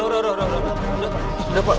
udah pak udah pak udah pak